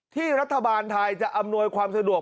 ที่รัฐบาลไทยจะอำนวยความสะดวก